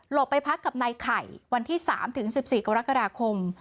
ไปพักกับนายไข่วันที่๓ถึง๑๔กรกฎาคม